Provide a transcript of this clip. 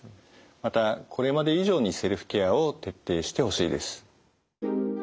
またこれまで以上にセルフケアを徹底してほしいです。